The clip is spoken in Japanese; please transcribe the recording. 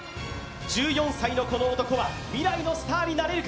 １４歳の、この男は未来のスターになれるか。